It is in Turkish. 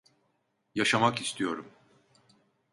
Yaşamak istiyorum.